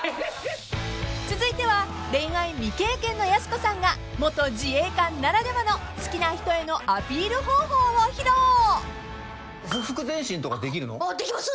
［続いては恋愛未経験のやす子さんが元自衛官ならではの好きな人へのアピール方法を披露］できます。